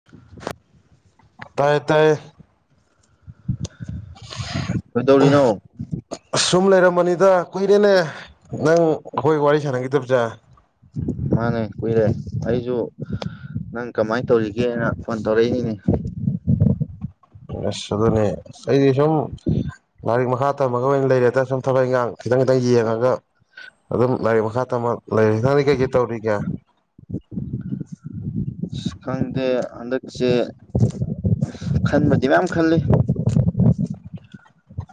[unintelligible] ꯇꯥꯏ ꯇꯥꯏꯌꯦ ꯀꯩꯗꯧꯔꯤꯅꯣ ꯁꯨꯝ ꯂꯩꯔꯝꯕꯅꯤꯗ ꯀꯨꯏꯔꯦꯅꯦ ꯅꯪ ꯑꯩꯈꯣꯏ ꯋꯥꯔꯤ ꯁꯥꯟꯅꯈꯤꯗꯕꯁꯦ ꯃꯥꯅꯦ ꯀꯨꯏꯔꯦ ꯑꯩꯁꯨ ꯅꯪ ꯀꯃꯥꯏꯅ ꯇꯧꯔꯤꯒꯦꯅ ꯐꯣꯟ ꯇꯧꯔꯛꯏꯅꯤꯅꯦ ꯑꯁ ꯑꯗꯨꯅꯦ ꯑꯩꯗꯤ ꯁꯨꯝ ꯂꯥꯏꯔꯤꯛ ꯃꯈꯥ ꯇꯝꯃꯒ ꯑꯣꯏꯅ ꯂꯩꯔꯦꯗ ꯁꯨꯝ ꯊꯕꯛ ꯏꯪꯈꯥꯡ ꯈꯤꯇꯪ ꯈꯤꯇꯪ ꯌꯦꯡꯉꯒ ꯑꯗꯨꯝ ꯂꯥꯏꯔꯤꯛ ꯃꯈꯥ ꯇꯝꯃ ꯂꯥꯏꯔꯤꯛ ꯅꯪꯗꯤ ꯀꯩꯀꯩ ꯇꯧꯔꯤꯒꯦ ꯑꯁ ꯈꯪꯗꯦ ꯍꯟꯗꯛꯁꯦ ꯈꯟꯕꯗꯤ ꯃꯌꯥꯝ ꯈꯜꯂꯤ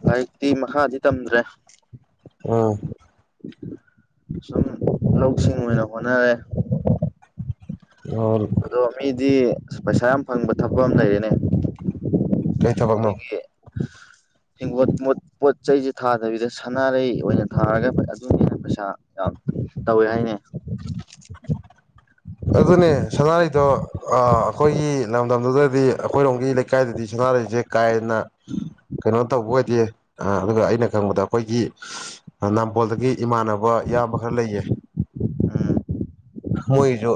ꯂꯥꯏꯔꯤꯛꯇꯤ ꯃꯈꯥꯗꯤ ꯇꯝꯗ꯭ꯔꯦ ꯎꯝ ꯁꯨꯝ ꯂꯧꯁꯤꯡ ꯑꯣꯏꯅ ꯍꯣꯠꯅꯔꯦ ꯑꯣ ꯑꯗꯣ ꯃꯤꯗꯤ ꯄꯩꯁꯥ ꯌꯥꯝ ꯐꯪꯕ ꯊꯛꯕꯛ ꯑꯃ ꯂꯩꯔꯤꯅꯦ ꯀꯩ ꯊꯕꯛꯅꯣ ꯑꯩꯈꯣꯏꯒꯤ [unintelligible] ꯍꯤꯡꯒꯣꯠ ꯃꯣꯠ ꯄꯣꯠ ꯆꯩꯁꯦ ꯊꯥꯗꯕꯤꯗ ꯁꯅꯥꯔꯩ ꯑꯣꯏꯅ ꯊꯥꯔꯒ ꯑꯗꯨꯒꯤꯅ ꯄꯩꯁꯥ ꯌꯥꯝ ꯇꯧꯋꯦ ꯍꯥꯏꯅꯦ [unintelligible] ꯑꯗꯨꯅꯦ ꯁꯅꯔꯩꯗꯣ ꯑ ꯑꯩꯈꯣꯏꯒꯤ ꯂꯝꯗꯝꯗꯨꯗꯗꯤ ꯑꯩꯈꯣꯏꯔꯣꯝꯒꯤ ꯂꯩꯀꯥꯏꯗꯗꯤ ꯁꯅꯔꯩꯁꯦ ꯀꯥ ꯍꯦꯟꯅ ꯀꯩꯅꯣ ꯇꯧꯕ ꯑꯣꯏꯗꯦ ꯑꯗꯨꯒ ꯑꯩꯅ ꯈꯪꯕꯗ ꯑꯩꯈꯣꯏꯒꯤ ꯅꯝꯕꯣꯜꯗꯒꯤ ꯏꯃꯥꯟꯅꯕ ꯏꯌꯥꯝꯕ ꯈꯔ ꯂꯩꯌꯦ ꯎꯝ ꯃꯣꯏꯁꯨ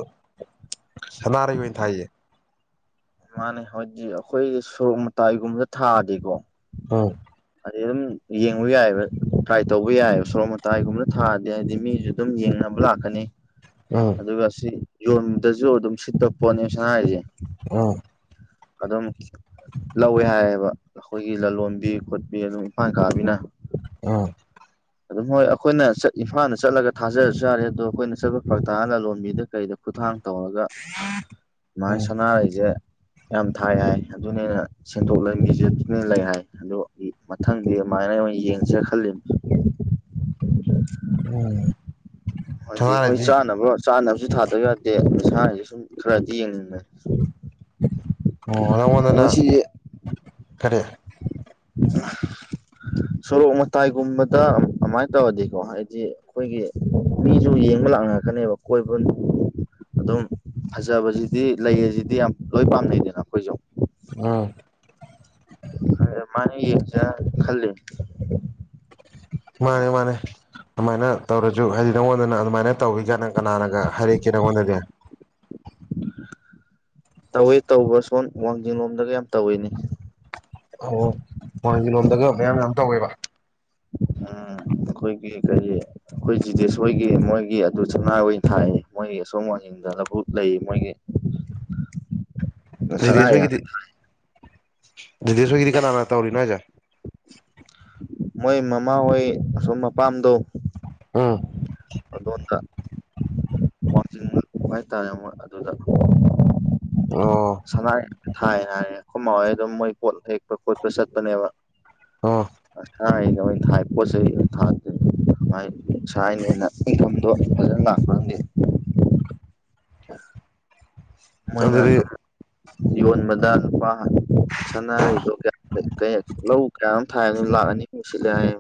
ꯁꯅꯥꯔꯩ ꯑꯣꯏꯅ ꯊꯥꯏꯌꯦ ꯃꯥꯅꯦ ꯍꯥꯢꯗꯤ ꯑꯩꯈꯣꯏ ꯁꯣꯔꯣꯛ ꯃꯇꯥꯏꯒꯨꯝꯕꯗ ꯊꯥꯗꯤꯀꯣ ꯑꯝ ꯑꯗꯨꯝ ꯌꯦꯡꯕ ꯌꯥꯏꯑꯦꯕ ꯇ꯭ꯔꯥꯏ ꯇꯧꯕ ꯌꯥꯏꯑꯦꯕ ꯁꯣꯔꯣꯛ ꯃꯇꯥꯏꯒꯨꯝꯕꯗ ꯊꯥꯔꯗꯤ ꯍꯥꯏꯗꯤ ꯃꯤꯁꯨ ꯑꯗꯨꯝ ꯌꯦꯡꯅꯕ ꯂꯥꯛꯀꯅꯤ ꯎꯝ ꯑꯗꯨꯒ ꯁꯤ ꯌꯣꯟꯕꯗꯁꯨ ꯑꯗꯨꯝ ꯁꯤꯠꯄ ꯄꯣꯠꯅꯤ ꯁꯥꯅꯥꯔꯩꯖ‌ꯦ ꯎꯝ ꯑꯗꯨꯝ ꯂꯧꯋꯦ ꯍꯥꯏꯌꯦꯕ ꯑꯩꯈꯣꯏꯒꯤ ꯂꯂꯣꯟꯕꯤ ꯈ‌ꯣꯠꯄꯤ ꯑꯗꯨꯝ ꯏꯝꯐꯥꯜ ꯀꯥꯕꯤꯅ ꯑꯝ ꯑꯗꯨꯝ ꯍꯣꯏ ꯑꯩꯈꯣꯏꯅ ꯏꯝꯐꯥꯜꯗ ꯆꯠꯂꯒ ꯊꯥꯖꯔꯁꯨ ꯌꯥꯔꯦ ꯑꯗꯣ ꯑꯩꯈꯣꯏꯅ ꯆꯠꯄ ꯐꯔꯛꯇꯥꯔꯒ ꯂꯂꯣꯟꯕꯤꯗ ꯀꯩꯗ ꯈꯨꯠꯊꯥꯡ ꯇꯧꯔꯒ ꯃꯥꯥꯏ ꯎꯝ ꯁꯅꯥꯔꯩꯁꯦ ꯌꯥꯝ ꯊꯥꯏ ꯍꯥꯏ ꯑꯗꯨꯅ ꯍꯦꯟꯅ ꯁꯦꯡꯗꯣꯛꯂ ꯃꯨꯖꯤꯞꯅ ꯂꯩ ꯍꯥꯏ ꯑꯗꯨ ꯃꯊꯪꯗꯤ ꯑꯗꯨꯃꯥꯏꯅ ꯑꯩ ꯑꯣꯏꯅ ꯌꯦꯡꯁꯦ ꯈꯜꯂꯤ [unintelligible] ꯎꯝ ꯍꯣꯏꯗꯤ ꯍꯣꯏ ꯁꯅꯥꯔꯩꯗꯤ ꯆꯥꯅꯕ ꯆꯥꯅꯕꯁꯨ ꯊꯥꯗꯕ ꯌꯥꯗꯦ ꯃꯁꯥꯅꯁꯨ ꯁꯨꯝ ꯈꯔꯗꯤ ꯌꯦꯡꯅꯤꯡꯉꯤ ꯑꯣ ꯅꯪꯉꯣꯟꯗꯅ ꯒꯔꯤ ꯁꯣꯔꯣꯛ ꯃꯇꯥꯏꯒꯨꯝꯕꯗ ꯑꯗꯨꯃꯥꯏꯅ ꯇꯧꯔꯗꯤꯀꯣ ꯍꯥꯏꯗꯤ ꯑꯩꯈꯣꯏꯒꯤ ꯃꯤꯁꯨ ꯌꯦꯡꯕ ꯂꯥꯛꯅꯔꯛꯀꯅꯦꯕ ꯀꯣꯏꯕ ꯑꯗꯨꯝ ꯐꯖꯕꯁꯤꯗꯤ ꯂꯩ ꯑꯁꯤꯗꯤ ꯌꯥꯝ ꯂꯣꯏ ꯄꯥꯝꯅꯩꯗꯅ ꯑꯩꯈꯣꯏꯁꯨ ꯎꯝ ꯑꯗꯨꯃꯥꯢꯅ ꯌꯦꯡꯖꯤꯔ ꯈꯜꯂꯤ ꯃꯥꯅꯦ ꯃꯥꯅꯦ ꯑꯗꯨꯃꯥꯏꯅ ꯇꯧꯔꯁꯨ ꯍꯥꯏꯗꯤ ꯅꯪꯉꯣꯟꯗꯅ ꯑꯗꯨꯃꯥꯏꯅ ꯇꯧꯏꯒ ꯅꯪ ꯀꯅꯥꯅꯒ ꯍꯥꯏꯔꯛꯀꯦ ꯅꯪꯉꯣꯟꯗꯒ ꯇꯧꯋꯤ ꯇꯧꯕ ꯁꯣꯟ ꯋꯥꯡꯖꯤꯡ ꯂꯣꯝꯗꯒ ꯌꯥꯝ ꯇꯧꯋꯤꯅꯦ ꯑꯣ ꯋꯥꯡꯖꯤꯡ ꯂꯣꯝꯗꯒ ꯃꯌꯥꯝ ꯌꯥꯝ ꯇꯧꯋꯦꯕ ꯎꯝ ꯑꯩꯈ‌ꯣꯏꯒꯤ ꯀꯒꯤ ꯈꯣꯏ ꯖꯤꯗꯦꯁꯍꯣꯏꯒꯤ ꯃꯣꯏꯒꯤ ꯑꯗꯨ [unintelligible] ꯑꯣꯢ ꯊꯥꯢꯅꯦ ꯃꯣꯏꯒꯤ ꯑꯁꯣꯝ ꯋꯥꯡꯖꯤ ꯗ ꯂꯕꯨꯛ ꯂꯩ ꯃꯣꯏꯒꯤ ꯁꯅꯥ ꯖꯤꯙꯦꯁ ꯌꯥꯝ ꯍꯣꯏꯒꯤꯗꯤ ꯖꯤꯙꯦꯁ ꯍꯣꯏꯒꯤꯗꯤ ꯀꯅꯥꯅ ꯇꯧꯔꯤꯅꯣ ꯍꯥꯏꯁꯦ ꯃꯣꯏ ꯃꯃꯥꯍꯣꯏ ꯑꯁꯨꯝ ꯃꯄꯥꯝꯗꯣ ꯎꯝ ꯑꯗ‌ꯣꯟꯗ ꯋꯥꯡꯖꯤꯡ ꯍꯥꯏꯇꯥꯔꯦ ꯃꯣꯏ ꯑꯗꯨꯗ ꯑꯣ ꯁꯅꯥꯔꯩ ꯊꯥꯏ ꯍꯥꯏꯑꯦ ꯑꯩꯈꯣꯏ ꯃꯥ ꯍꯣꯏ ꯑꯗꯨꯝ ꯃꯣꯏ ꯄꯣꯠ ꯍꯦꯛꯄ ꯈꯣꯠꯄ ꯆꯠꯄꯅꯦꯕ ꯑꯣ ꯑꯁꯥꯢꯗ ꯑꯣꯏ ꯊꯥꯏ ꯄꯣꯠ ꯆꯩꯩ ꯊꯥꯗꯦ [unintelligible] [unintelligible] ꯐꯖꯅ [unintelligible] ꯑꯗꯨꯗꯤ ꯃꯣꯏꯅꯥꯁꯨꯝ ꯌ‌ꯣꯟꯕꯗ ꯂꯨꯄ ꯁꯅꯥꯔꯩꯗꯣ ꯂꯧ ꯀꯌꯥ ꯅ‌ꯣꯝ ꯊꯥꯏ ꯂꯥꯛ ꯑꯅꯤꯃꯨꯛ ꯁꯤꯠꯂꯦ ꯍꯥꯏꯌꯦ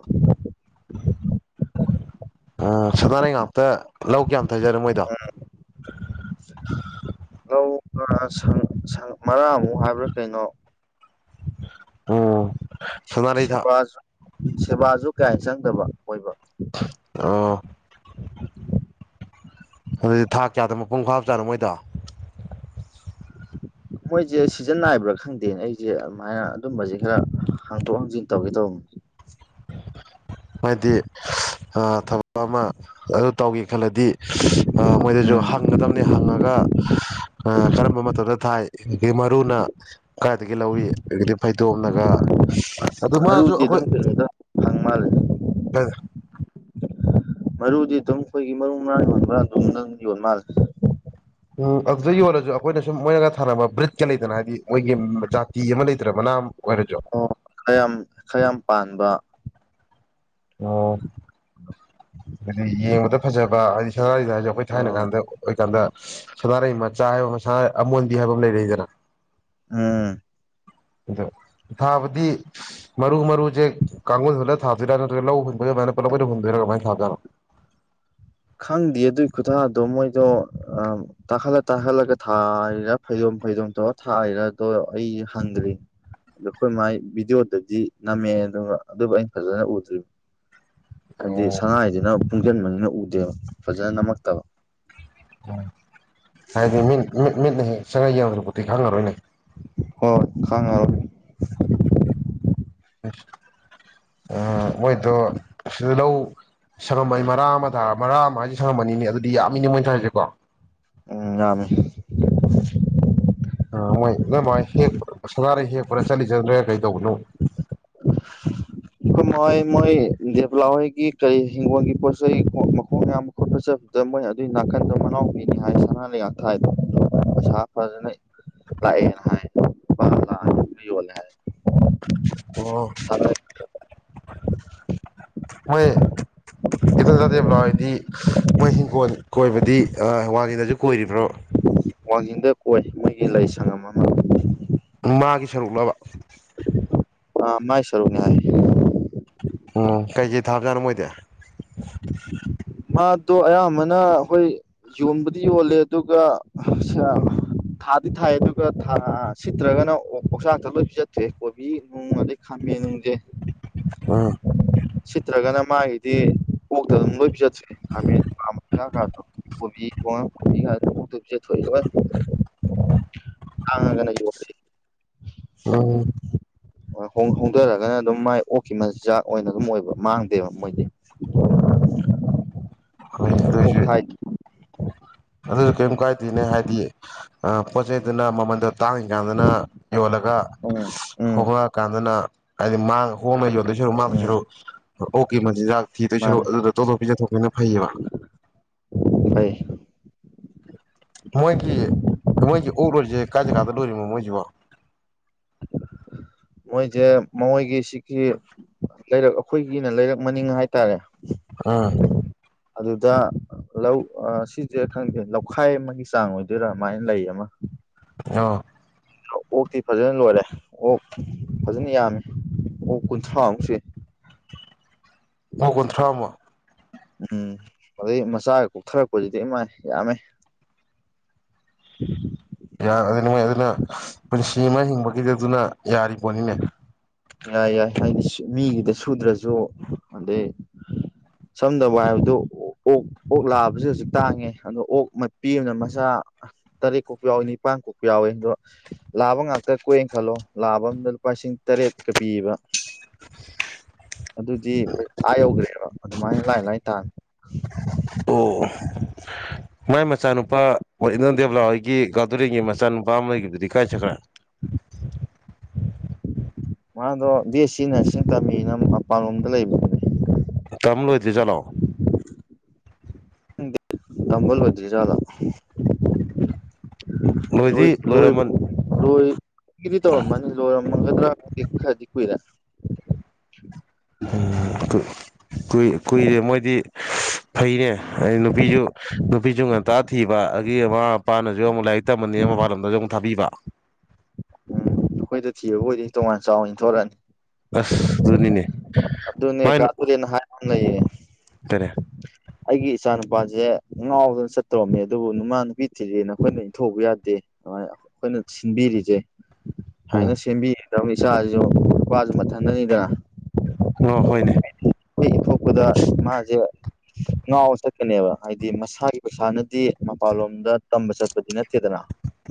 ꯑꯣ ꯁꯅꯥꯔꯩ ꯉꯥꯛꯇ ꯂꯧ ꯀꯌꯥꯝ ꯊꯥꯏꯖꯅ‌ꯣ ꯃꯣꯏꯗ‌ꯣ [unintelligible] ꯂꯧ ꯃꯔꯥꯛ ꯑꯃꯨꯛ ꯍꯥꯏꯕ꯭ꯔꯥ ꯀꯩꯅꯣ ꯎꯝ ꯁꯅꯥꯔꯩ ꯊꯥ ꯁꯦꯕꯥ ꯁꯦꯕꯥꯁꯨ ꯀꯌꯥ ꯆꯪꯗꯕ ꯑꯣꯏꯕ ꯑꯣ ꯑꯗꯨꯗꯤ ꯊꯥ ꯀꯌꯥꯗ ꯃꯄꯨꯡ ꯐꯥꯕ ꯆꯥꯅ‌ꯣ ꯃꯣꯏꯗꯣ [inaudible] ꯃꯣꯏꯁꯦ ꯁꯤꯖꯟ ꯅꯥꯏꯕ꯭ꯔꯥ ꯈꯪꯗꯦ ꯑꯩꯁꯦ ꯑꯗꯨꯃꯥꯏꯅ ꯑꯗꯨꯝꯕꯁꯦ ꯈꯔ ꯍꯥꯡꯇꯣꯛ ꯍꯥꯡꯖꯤꯟ ꯇꯧꯒꯦ ꯇꯧꯕꯅꯦ ꯍꯥꯏꯗꯤ ꯊꯕꯛ ꯑꯃ ꯑꯗꯨ ꯇꯧꯒꯦ ꯈꯜꯂꯗꯤ ꯃꯣꯏꯗꯁꯨ ꯎꯝ ꯍꯪꯒꯗꯝꯕꯅꯤ ꯍꯪꯉꯒ ꯀꯔꯝꯕ ꯃꯇꯝꯗ ꯊꯥꯏ ꯑꯗꯒꯤ ꯃꯔꯨꯅ ꯀꯥꯏꯗꯒꯤ ꯂꯧꯋꯤ ꯑꯗꯨꯒ ꯐꯩꯗꯣꯝꯅꯒ ꯑꯗꯨ ꯃꯥꯁꯨ ꯃꯔꯨꯗꯤ ꯑꯗꯨꯝ ꯑꯩꯈꯣꯏ ꯀꯩꯅꯣꯗ ꯐꯪ ꯃꯥꯜꯂꯦ [unintelligible] ꯃꯔꯨꯗꯤ ꯑꯗꯨꯝ ꯑꯩꯈꯣꯏꯒꯤ ꯃꯔꯨ ꯃꯔꯥꯡ ꯌꯣꯟꯕ ꯑꯗꯨꯝ ꯑꯗꯨꯗ ꯌꯣꯟꯕ ꯃꯥꯜꯂꯦ ꯎꯝ ꯑꯗꯨꯗ ꯌꯣꯜꯂꯁꯨ ꯑꯩꯈꯣꯏꯅ ꯁꯨꯝ ꯃꯣꯏꯅꯒ ꯊꯥꯟꯅꯕ ꯕ꯭ꯔꯤꯠꯀ ꯂꯩꯗꯅ ꯍꯥꯏꯗꯤ ꯃꯣꯏꯒꯤ ꯖꯥꯇꯤ ꯑꯃ ꯂꯩꯇ꯭ꯔꯕꯅ ꯑꯣ ꯈꯌꯥꯝ ꯈꯌꯥꯝ ꯄꯥꯟꯕ ꯑꯣ ꯑꯗꯨꯗꯤ ꯌꯦꯡꯕꯗ ꯐꯖꯕ ꯍꯥꯏꯗꯤ ꯁꯏꯗ ꯍꯧ ꯑꯩꯈꯣꯏ ꯊꯥꯏꯅ ꯍꯣꯏ ꯀꯥꯟꯗ ꯑꯣꯏꯀꯥꯟꯗ ꯁꯥꯟꯅꯔꯩ ꯃꯆꯥ ꯍꯥꯏꯕ ꯑꯃ ꯑꯃꯣꯟꯕꯤ ꯍꯥꯏꯕ ꯑꯃ ꯂꯩꯔꯛꯏꯗꯅ ꯎꯝ ꯑꯗꯣ ꯊꯥꯕꯗꯤ ꯃꯔꯨ ꯃꯔꯨꯁꯦ ꯀꯥꯡꯒꯨꯜ ꯍꯨꯜꯂ ꯊꯥꯗ‌ꯣꯏꯔ ꯅꯠꯇ꯭ꯔꯒ ꯂꯧ ꯍꯨꯟꯕꯗꯨꯃꯥꯏꯅ ꯄꯨꯂꯞ ꯑꯣꯏꯅ ꯍꯨꯟꯗꯣꯏꯔꯥ ꯀꯃꯥꯏꯅ ꯊꯥꯗꯣꯏꯖꯅꯣ ꯈꯪꯗꯦ ꯑꯗꯨꯒꯤ ꯈꯨꯊꯥꯗꯣ ꯃꯣꯏꯗꯣ ꯑ ꯇꯥꯈꯠꯂ ꯇꯥꯈꯠꯂꯒ ꯊꯥꯔꯤꯔ ꯐꯩꯗꯣꯝ ꯐꯩꯗꯣꯝ ꯇꯧꯔ ꯊꯥꯔꯤꯔꯗꯣ ꯑꯩ ꯍꯪꯗ꯭ꯔꯤ ꯑꯗ ꯑꯩꯈꯣꯏ ꯃꯥꯏ ꯚꯤꯗꯤꯑꯣꯗꯗꯤ ꯅꯝꯃꯦ ꯑꯗꯨ ꯑꯗꯨꯕꯨ ꯑꯩꯅ ꯐꯖꯅ ꯎꯗ꯭ꯔꯤ ꯍꯥꯏꯗꯤ ꯑꯣ ꯁꯅꯥꯔꯩꯅꯤꯅ ꯀꯨꯡꯁꯟꯕꯅꯤꯅ ꯎꯗꯦꯕ ꯐꯖꯅ ꯅꯝꯃꯛꯇꯕ ꯑꯝ ꯍꯥꯏꯗꯤ ꯃꯤꯠ ꯃꯤꯠ ꯃꯤꯠꯅ ꯍꯦꯛ ꯆꯪꯉ ꯌꯦꯡꯗ꯭ꯔꯄꯣꯠꯇꯤ ꯈꯪꯉꯔꯣꯏꯅꯦ ꯍꯣꯏ ꯈꯪꯉꯔ‌ꯣꯏ ꯎ ꯃꯣꯏꯗꯣ ꯁꯤ ꯂꯧ ꯁꯪꯉꯝꯃꯅꯤ ꯃꯔꯔꯥ ꯑꯃ ꯊꯥꯔꯒ ꯃꯔꯥ ꯑꯃ ꯍꯥꯏꯁꯤꯦ ꯁꯪꯉꯝꯃꯅꯤ ꯑꯗꯨꯗꯤ ꯌꯥꯝꯃꯤꯅꯤ ꯃꯣꯏꯅ ꯊꯥꯔꯤꯁꯦꯀꯣ ꯎ ꯌꯥꯝꯃꯤ ꯑ ꯃꯣꯏ ꯅ ꯃꯥꯏ ꯍꯦꯛ ꯁꯅꯥꯔꯩ ꯍꯦꯛꯄ꯭ꯔꯥ ꯆꯠꯂꯤ ꯆꯠꯗ꯭ꯔꯒ ꯀꯩ ꯇꯧꯕꯅꯣ ꯃꯣꯏ ꯃꯣꯏ ꯗꯦꯕꯂꯥꯥꯎ ꯀ ꯄꯣꯏꯁ ꯃꯈ ꯈꯣꯠꯄ ꯆꯠꯄꯗ ꯃꯣꯏꯅ ꯑꯗꯨꯒꯤ ꯅꯥꯀꯟꯗꯣ ꯃꯅꯥꯎ ꯄꯤꯅꯤ ꯍꯥꯏ ꯁꯅꯥ ꯂꯩꯉꯥꯛ ꯊꯥꯏꯕ ꯄꯩꯁꯥ ꯐꯖꯅ ꯂꯥꯛꯌꯦꯅ ꯍꯥꯏ ꯄꯂ ꯍꯥꯏ ꯌꯣꯜꯂꯦ ꯍꯥꯏ ꯑꯣ ꯁꯅꯥ [unintelligible] ꯍꯣꯏ ꯈꯤꯇꯪ ꯆꯥꯗꯦꯕꯂꯣ ꯍꯥꯏꯗꯤ ꯃꯣꯏ ꯍꯤꯡꯈꯣꯜ ꯀꯣꯏꯕꯗꯤ ꯋꯥꯡꯉꯗꯁꯨ ꯀꯣꯏꯔꯤꯕ꯭ꯔꯣ ꯋꯥꯡꯖꯤꯡꯗ ꯀꯣꯏ ꯃꯣꯏꯒꯤ ꯂꯩ ꯁꯪꯝ ꯑꯃ ꯃꯥꯒꯤ ꯁꯔꯨꯛꯂꯕ ꯑ ꯃꯥꯏ ꯁꯔꯨꯅꯦꯏ ꯎꯝ ꯀꯩꯀꯩ ꯊꯥꯕꯖꯥꯠꯅꯣ ꯃꯣꯏꯗꯤ ꯃꯥꯠꯇꯣ ꯑꯌꯥꯝꯕꯅ ꯑꯩꯈꯣꯏ ꯌꯣꯟꯕꯗꯤ ꯌꯣꯜꯂꯦ ꯑꯗꯨꯒ ꯊꯥꯗꯤ ꯊꯥꯏ ꯑꯗꯨꯒ ꯊꯥ ꯁꯤꯠꯇ꯭ꯔꯒꯅ ꯄꯧꯆꯥꯛꯇ ꯂꯣꯏ ꯄꯤ ꯆꯠꯇ꯭ꯔꯑꯦ ꯀꯣꯕꯤ ꯎꯨꯡ ꯑꯩ ꯈꯥꯝꯃꯦ ꯅꯪꯁꯦ ꯑ ꯁꯤꯠꯇ꯭ꯔꯒꯅ ꯃꯥꯒꯤꯗꯤ ꯀꯣꯛꯇ ꯑꯗꯨꯝ ꯂꯣꯏ ꯄꯤ ꯆꯠꯇ꯭ꯔꯦ ꯈꯥꯃꯦꯟ ꯃꯂ ꯈꯣ ꯀꯣꯕꯤ ꯀꯉ ꯀꯣꯗ ꯀ ꯇꯁ ꯊꯣꯏ ꯂꯕ ꯍꯅꯪ ꯑꯣ ꯣꯡ ꯍꯧꯣꯡꯊꯔꯒꯅ ꯑꯗꯨꯝ ꯃꯥꯏ ꯑꯣꯛꯈꯤꯕ ꯃꯆꯤꯟꯖꯥꯛ ꯑꯣꯏꯅ ꯑꯗꯨꯝ ꯑꯣꯏꯕ ꯃꯥꯡꯗꯦꯕ ꯃꯣꯏꯗꯤ ꯍꯣꯏꯅꯦ ꯑꯣꯛ ꯑꯗꯨꯑꯣꯏꯁꯨ ꯊꯥꯏ ꯑꯗꯨꯁꯨ ꯀꯔꯤꯝ ꯀꯥꯏꯗꯦꯅꯦ ꯍꯥꯏꯗꯤ ꯑ ꯄꯣ ꯆꯩꯗꯅ ꯃꯃꯗ ꯇꯥꯡꯉꯤꯀꯥꯟꯗꯅ ꯌꯣꯜꯂꯒ ꯎꯝ ꯎꯝ ꯍꯣꯡꯉꯛꯑꯀꯥꯟꯗꯅ ꯍꯥꯏꯗꯤ ꯃꯥꯡ ꯍꯣꯡꯉ ꯌꯣꯂ ꯁꯔꯨ ꯃꯥꯥꯡꯗꯣꯏ ꯎꯝ ꯁꯔꯨ ꯑꯣ ꯀꯦ ꯃꯆꯤꯟꯖꯥꯛ ꯊꯤꯗꯣꯏ ꯁꯔꯨꯛ ꯑꯗꯨꯗ ꯇꯣꯂꯣꯞ ꯄꯤꯖ ꯊꯣꯛꯣꯛꯄꯅ ꯐꯩꯌꯦꯕ ꯐꯥꯏ ꯃꯣꯏꯒꯤ ꯃꯣꯏꯁꯤ ꯑꯣꯛ ꯂꯣꯏꯔꯤꯁꯦ ꯀꯥꯏ ꯖꯒꯥꯥꯗ ꯂꯣꯏꯔꯤꯕꯅꯣ ꯃꯣꯏꯁꯤꯕꯣ ꯃꯣꯏꯁꯦ ꯃꯣꯏꯒꯤ ꯁꯤꯒꯤ ꯂꯩꯔꯛ ꯑꯩꯈꯣꯏꯒꯤꯅ ꯂꯩꯔꯛ ꯃꯅꯤꯡ ꯍꯥꯏꯇꯥꯔꯦ ꯑ ꯑꯗꯨꯗ ꯂꯧ ꯁꯤꯁꯦ ꯈꯪꯗꯦ ꯂꯧꯈꯥꯏ ꯑꯃꯒꯤ ꯆꯥꯡ ꯑꯣꯏꯗꯣꯏꯔꯥ ꯑꯗꯨꯃꯥꯏꯅ ꯂꯩ ꯑꯃ ꯑꯣ ꯑꯣꯛꯇꯤ ꯐꯖꯅ ꯂꯣꯏꯔꯦ ꯑꯣꯛ ꯐꯖꯅ ꯌꯥꯝꯃꯤ ꯑꯣꯛ ꯀꯨꯟꯊ꯭ꯔꯥꯃꯨꯛꯁꯦ ꯃꯥ ꯀꯨꯟꯊ꯭ꯔꯥ ꯑꯃ ꯎꯝ ꯑꯗꯨꯗꯩ ꯃꯆꯥꯒ ꯀꯨꯞꯊꯔꯛꯄꯁꯤꯗꯤ ꯏ ꯃꯥꯏ ꯌꯥꯝꯃꯦ ꯎ ꯌꯥ ꯑꯗꯨꯅꯤ ꯃꯣꯏ ꯑꯗꯨꯅ ꯄꯨꯟꯁꯤ ꯑꯃ ꯍꯤꯡꯕꯒꯤꯗꯤ ꯑꯗꯨꯅ ꯌꯥꯔꯤꯕꯣꯠꯅꯤꯅꯦ ꯌꯥꯏ ꯌꯥꯏ ꯍꯥꯏꯗꯤ ꯃꯤꯒꯤꯗ ꯁꯨꯗ꯭ꯔꯁꯨ ꯑꯗꯩ ꯁꯝꯗꯕ ꯍꯥꯏꯕꯗꯨ ꯑꯣꯛ ꯑꯣꯛ ꯂꯥꯛꯑꯕꯁꯨ ꯍꯧꯖꯤꯛ ꯇꯥꯡꯉꯦ ꯑꯗꯣ ꯑꯣꯛ ꯃꯄꯤ ꯑꯃꯅ ꯃꯁꯥ ꯇꯔꯦꯠ ꯀꯣꯛꯄ ꯌꯥꯎꯏ ꯅꯤꯄꯥꯟ ꯀꯣꯛꯄ ꯌꯥꯎꯏ ꯑꯗꯣ ꯂꯥꯕ ꯉꯥꯛꯇ ꯀꯣꯛꯑꯦꯅ ꯈꯜꯂꯣ ꯂꯥꯕ ꯑꯝꯗ ꯂꯨꯄꯥꯁꯤꯡ ꯇꯔꯦꯠꯀ ꯄꯤꯕ ꯑꯗꯨꯗꯤ ꯑꯩꯈꯣꯏ ꯑꯥ ꯌꯧꯈ꯭ꯔꯦꯕ ꯑꯗꯨꯃꯥꯏꯅ ꯂꯥꯏ ꯂꯥꯏ ꯇꯥꯅꯤ ꯑꯣ ꯃꯥꯏ ꯃꯆꯥꯅꯨꯄꯥ ꯋꯥ ꯏꯅꯣ ꯗꯦꯕꯂꯥ ꯍꯣꯏꯒꯤ ꯒꯥꯎꯗꯨꯔꯦꯟꯒꯤ ꯃꯆꯥꯅꯨꯄꯥ ꯑꯃꯒꯤꯒꯤꯕꯨꯗꯤ ꯀꯥꯏ ꯆꯠꯈ꯭ꯔꯥ ꯃꯥꯗꯣ ꯗꯤ ꯑꯦꯁ ꯁꯤ ꯅꯔꯁꯤꯡ ꯇꯃꯤꯅ ꯃꯄꯥꯟꯂꯣꯝꯗ ꯂꯩꯕꯅꯦ ꯇꯝ ꯂꯣꯏꯗꯤ ꯆꯠꯂꯣꯑꯣ ꯅꯝꯕ ꯂꯣꯏꯗ꯭ꯔꯤꯖꯥꯗ ꯂꯣꯏ ꯂꯣꯏꯗꯤ ꯂꯣꯏꯕ ꯂꯣꯏꯔꯝꯃꯟ ꯂꯣꯏꯗꯤ ꯇꯧꯔꯝꯃꯅꯤ ꯂꯣꯏꯔꯝꯃꯒꯗ꯭ꯔꯥ ꯈꯗꯤ ꯀꯨꯏꯔꯦ ꯀꯨꯏꯔꯦ ꯃꯣꯏꯗꯤ ꯐꯩꯅꯦ ꯑꯩ ꯅꯨꯄꯤꯁꯨ ꯅꯨꯄꯤꯁꯨ ꯉꯟꯇꯥ ꯊꯤꯕ ꯑꯗꯨꯒꯤ ꯃꯃꯥ ꯃꯄꯥꯅꯁꯨ ꯑꯃꯨꯛ ꯂꯥꯏꯔꯤꯛ ꯇꯤꯃꯅꯦ ꯎꯝ ꯃꯄꯜ ꯂꯝꯝꯗꯁꯨ ꯑꯃꯨꯛ ꯊꯥꯕꯤꯕ ꯎꯝ ꯑꯩꯈꯣꯏꯗ ꯊꯤꯕ ꯍꯣꯏꯗꯤ ꯇꯣꯉꯥꯟ ꯆꯥꯎꯅꯤ ꯊꯣꯛꯣꯔꯛꯑꯅꯤ ꯑꯁ ꯔꯨꯅꯤꯅꯦ ꯑꯗꯨ ꯑꯗꯨꯅꯤ ꯀꯥ ꯑꯗꯨ ꯂꯩꯅ ꯍꯥꯏ ꯂꯩꯌꯦ ꯇꯔꯦ [unintelligible] ꯑꯩꯒꯤ ꯏꯆꯥ ꯅꯨꯄꯥꯁꯦ ꯉꯥꯎꯗꯅ ꯆꯠꯇꯣꯔꯣꯝꯃꯦ ꯑꯗꯨꯕꯨ ꯅꯨꯃ ꯅꯨꯄꯤ ꯊꯤꯖꯦꯅ ꯑꯩꯈꯣꯏꯅ ꯏꯟꯊꯣꯛꯧꯕ ꯌꯥꯗꯦ ꯑꯗꯨꯃꯥꯏꯅ ꯑꯩꯈꯣꯏꯅ ꯁꯤꯟꯕꯤꯔꯤꯁꯦ ꯎꯝ ꯍꯥꯏꯅ ꯁꯦꯝꯕꯤꯒꯗꯕꯅꯤ ꯏꯆꯥꯁꯤꯁꯨ ꯅꯨꯄꯥꯁꯨ ꯃꯟꯊꯟꯗꯅꯤꯗꯅ ꯑꯣ ꯍꯣꯏꯅꯦ ꯑꯩꯈꯣꯏ ꯏꯊ ꯊꯣꯛꯄꯗ ꯃꯥꯁꯦ ꯉꯥꯎꯕ ꯆꯠꯀꯅꯦꯕ ꯍꯥꯏꯗꯤ ꯃꯁꯥꯒꯤ ꯄꯩꯁꯥꯅꯗꯤ ꯃꯄꯥꯟꯂꯣꯝꯗ ꯇꯝꯕ ꯆꯠꯄꯗꯤ ꯅꯠꯇꯦꯗꯅ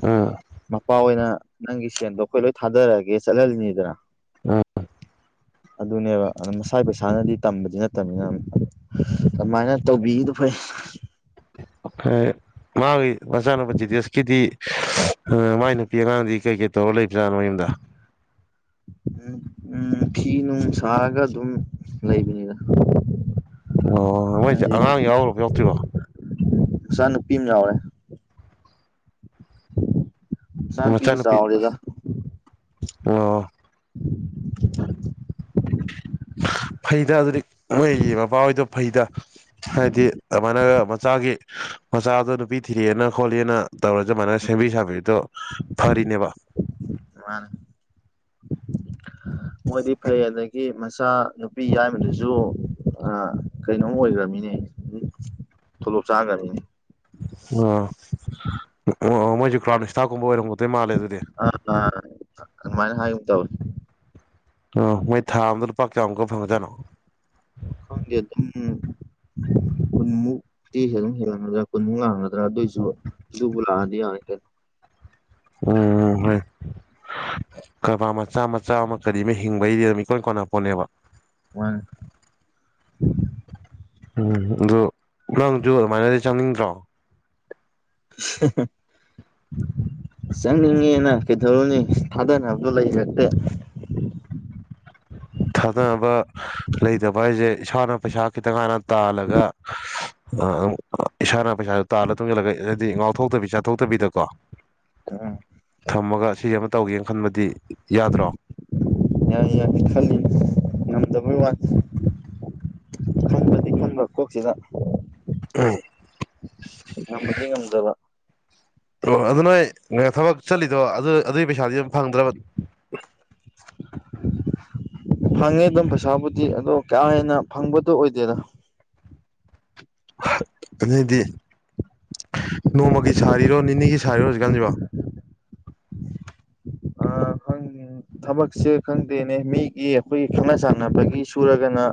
ꯑ ꯃꯄꯥ ꯑꯣꯏꯅ ꯅꯪꯒꯤ ꯁꯦꯟꯗꯣ ꯑꯩꯈꯣꯏ ꯂꯣꯏ ꯊꯥꯗꯔꯛꯑꯒꯦ ꯆꯠꯍꯜꯂꯤꯅꯤꯗꯅ ꯎꯝ ꯑꯗꯨꯅꯦꯕ ꯑꯗꯨꯝ ꯃꯁꯥ ꯄꯩꯁꯥꯅꯗꯤ ꯇꯝꯕꯗꯤ ꯅꯠꯇꯕꯅꯤꯅ ꯑꯗꯨꯝ ꯑꯗꯨꯃꯥꯏꯅ ꯇꯧꯕꯤꯗꯨꯣ ꯐꯩ ꯑꯐꯦ ꯃꯥꯒꯤ ꯃꯆꯥꯅꯨꯄꯥ ꯗꯤꯇꯦꯁꯀꯤꯗꯤ ꯃꯥꯏ ꯅꯨꯄꯤ ꯑꯉꯥꯡꯗꯤ ꯀꯩ ꯀꯩ ꯇꯧꯔ ꯂꯩꯕꯖꯥꯠꯅꯣ ꯌꯨꯝꯗ ꯎꯝ ꯎꯝ ꯐꯤ ꯅꯨꯡ ꯁꯥꯔꯒ ꯑꯗꯨꯝ ꯂꯩꯕꯅꯤꯅ ꯑꯣ ꯃꯣꯏꯁꯦ ꯑꯉꯥꯡ ꯌꯥꯎꯕ ꯌꯥꯎꯗ꯭ꯔꯤꯕꯣ ꯅꯨꯁ ꯅꯨꯄꯤ ꯑꯃ ꯌꯥꯎꯔꯦ ꯃꯆꯥ ꯅꯨꯄꯤꯒ ꯃꯆꯥꯅꯨꯄꯤ ꯆꯥꯎꯔꯦꯗ ꯑꯣ ꯐꯩꯗ ꯑꯗꯨꯗꯤ ꯃꯣꯏꯒꯤ ꯃꯄꯥꯍꯣꯏꯗꯣ ꯐꯩꯗ ꯍꯥꯏꯗꯤ ꯑꯗꯨꯃꯥꯏꯅꯒ ꯃꯆꯥꯒꯤ ꯃꯆꯥꯗꯣ ꯅꯨꯄꯤ ꯊꯤꯔꯛꯑꯦꯅ ꯈꯣꯠꯂꯦꯅ ꯇꯧꯔ ꯑꯗꯨꯃꯥꯏꯅ ꯁꯦꯝꯕꯤ ꯁꯥꯕꯤꯗꯣ ꯐꯔꯤꯅꯦꯕ ꯃꯥꯅꯦ ꯃꯣꯏꯗꯤ ꯐꯩ ꯑꯗꯒꯤ ꯃꯆꯥ ꯅꯨꯄꯤ ꯌꯥꯏꯕꯗꯨꯁꯨ ꯀꯩꯅꯣꯝ ꯑꯣꯏꯈ꯭ꯔꯃꯤꯅꯦ ꯊꯣꯂꯣꯞ ꯆꯥꯈ꯭ꯔꯃꯤꯅꯦ ꯑ ꯑꯣ ꯃꯣꯏꯁꯨ ꯀ꯭ꯔꯥꯎ ꯍꯇꯥꯥꯛꯀꯨꯝꯕ ꯑꯣꯏꯔꯝꯒꯗꯣꯏ ꯃꯥꯜꯂꯦ ꯑꯗꯨꯗꯤ ꯑꯥ ꯑꯗꯨꯃꯥꯏꯅ ꯍꯥꯏꯌꯨ ꯇꯧꯋ ꯑꯣ ꯃꯣꯏ ꯊꯥ ꯑ ꯑꯃꯗ ꯂꯨꯄꯥ ꯀꯌꯥꯃꯨꯛꯀ ꯐꯪꯒꯖꯥꯅꯣ ꯗꯤ ꯑꯗꯨꯝ ꯀꯨꯟꯃꯨꯛꯇꯤꯦ ꯑꯗꯨꯝ ꯍꯦꯜꯂꯝꯒꯗ꯭ꯔꯥ ꯀꯨꯟꯃꯨꯛ ꯂꯥꯡꯒꯗ꯭ꯔꯥ ꯑꯗꯨꯑꯣꯏꯁꯨ ꯑꯗꯨꯕꯨ ꯂꯗꯤ ꯎꯝ ꯍꯣꯏ [unintelligible] ꯀꯔꯕꯥꯔ ꯃꯆꯥ ꯃꯆꯥ ꯑꯃ ꯀꯔꯤ ꯑꯃ ꯍꯤꯡꯕꯒꯤ ꯂꯩꯔꯝꯃꯤꯀꯣꯟ ꯀꯣꯟꯅꯄꯣꯟꯠꯅꯦꯕ ꯋꯥꯟ ꯎꯝ ꯑꯗꯨ ꯅꯪꯁꯨ ꯑꯗꯨꯃꯥꯏꯅꯗꯤ ꯆꯪꯅꯤꯡꯗ꯭ꯔꯣ [unintelligible] ꯆꯪꯅꯤꯡꯉꯦꯅ ꯀꯩꯗꯧꯔꯨꯅꯤ ꯊꯥꯗꯅꯕꯗꯣ ꯂꯩꯖꯛꯇꯦ ꯊꯥꯗꯅꯕ ꯂꯩꯇꯕ ꯍꯥꯏꯁꯦ ꯏꯁꯥꯅ ꯄꯩꯁꯥ ꯈꯤꯇꯪ ꯍꯥꯟꯅ ꯇꯥꯜꯂꯒ ꯏꯁꯥꯅ ꯄꯩꯁꯥꯗꯨꯣ ꯇꯥꯜꯂ ꯇꯨꯡꯁꯤꯜꯂꯒ ꯍꯥꯏꯗꯤ ꯉꯥꯎꯊꯣꯛꯇꯕꯤ ꯆꯥꯊꯣꯛꯇꯕꯤꯗꯀꯣ ꯑ ꯊꯝꯃꯒ ꯁꯤ ꯑꯃ ꯇꯧꯒꯦꯅ ꯈꯟꯕꯗꯤ ꯌꯥꯗ꯭ꯔꯣ ꯌꯥꯏ ꯌꯥꯏ ꯈꯜꯂꯤ ꯉꯝꯗꯕꯩ ꯋꯥ ꯈꯟꯝꯕꯗꯤ ꯈꯕꯣꯁꯤꯗ ꯎ ꯌꯥꯝꯃꯗꯤ ꯉꯝꯗꯕ ꯑꯣ ꯑꯗꯨ ꯅꯣꯏ ꯊꯕꯛ ꯆꯠꯂꯤꯗꯣ ꯑꯗꯨ ꯑꯗꯨꯒꯤ ꯄꯩꯁꯥꯗꯤ ꯌꯥꯝ ꯐꯪꯗ꯭ꯔꯕ [unintelligible] [unintelligible] ꯐꯪꯉꯦ ꯑꯗꯨꯝ ꯄꯩꯁꯥꯕꯨꯗꯤ ꯑꯗꯣ ꯀꯥ ꯍꯦꯟꯅ ꯐꯪꯕꯗꯨꯣ ꯑꯣꯏꯗꯦꯅ ꯑꯗꯨꯗꯤ ꯅꯣꯡꯃꯒꯤ ꯁꯥꯔꯤꯔꯣ ꯅꯤꯅꯤꯒꯤ ꯁꯥꯔꯤꯔꯣ ꯍꯧꯖꯤꯛꯀꯥꯟꯁꯤꯕꯣ ꯑ ꯀꯣꯏꯅꯤ ꯊꯕꯛꯁꯦ ꯈꯪꯗꯦꯅꯦ ꯃꯤꯒꯤ ꯑꯩꯈꯣꯏꯒꯤ ꯈꯪꯅ ꯆꯥꯟꯅꯕꯒꯤ ꯁꯨꯔꯒꯅ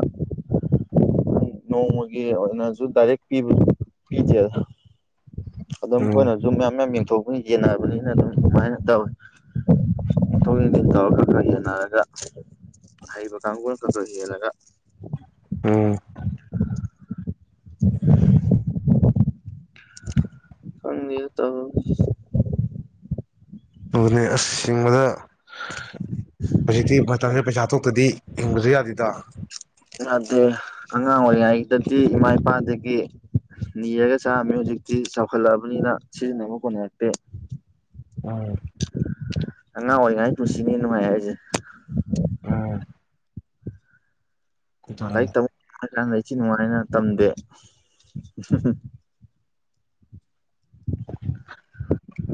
ꯅꯣꯡꯃꯒꯤ ꯑꯣꯏꯅꯁꯨ ꯗꯥꯏꯔꯦꯛ ꯄꯤꯕ ꯄꯤꯗꯦ ꯑꯗꯨꯝ ꯎꯝ ꯑꯩꯣꯏꯅ ꯁꯨꯝ ꯃꯌꯥꯝ ꯃꯌꯥꯝ ꯌꯦꯡꯊꯣꯛꯄꯅꯤ ꯌꯦꯟꯅꯕꯅꯤꯅ ꯑꯗꯨꯝ ꯑꯗꯨꯃꯥꯏꯅ ꯇꯧꯋꯤ ꯄꯊꯣꯛ ꯏꯟꯁꯤꯟ ꯇꯧꯔ ꯈ ꯈ ꯍꯦꯟꯅꯔꯒ ꯍꯩꯕ ꯀꯥꯡꯒꯜ ꯈꯛ ꯈ ꯍꯦꯜꯂꯒ ꯎꯝ [unintelligible] ꯐꯪꯒꯦ ꯇ ꯑꯗꯨꯅꯤ ꯑꯁ ꯍꯦꯡꯕꯗ ꯍꯧꯖꯤꯛꯇꯤ ꯃꯇꯝꯁꯤꯗ ꯄꯩꯁꯥ ꯊꯣꯛꯇꯗꯤ ꯍꯤꯡꯕꯁꯨ ꯌꯥꯗꯦꯗ ꯌꯥꯗꯦ ꯑꯉꯥꯡ ꯑꯣꯏꯔꯤꯉꯩꯗꯗꯤ ꯏꯃꯥ ꯏꯄꯥꯗꯒꯤ ꯅꯤꯔꯒ ꯆꯥꯑꯝꯃꯦ ꯍꯧꯖꯤꯛꯇꯤ ꯆꯥꯎꯈꯠꯂꯛꯑꯕꯅꯤꯅ ꯁꯤꯖꯤꯟꯅꯕ ꯀꯅꯔꯛꯇꯦ ꯎꯝ ꯑꯉꯥꯡ ꯑꯣꯏꯔꯤꯉꯥꯏ ꯄꯨꯨꯟꯁꯤꯅꯦ ꯅꯨꯡꯉꯥꯏ ꯍꯥꯏꯖꯦ ꯎꯝ ꯂꯥꯏꯔꯤꯛ ꯇꯝꯃ [unintelligible] ꯏꯆꯤ ꯅꯨꯡꯉꯥꯏꯅ ꯇꯝꯗꯦ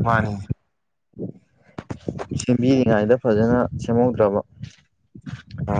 ꯃꯥꯅꯤ ꯁꯦꯝꯕꯤꯔꯤꯉꯩꯗ ꯐꯖꯅ ꯁꯦꯝꯍꯧꯗ꯭ꯔꯕ ꯑ